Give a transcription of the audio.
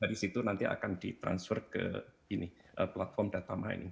dari situ nanti akan di transfer ke ini platform data mining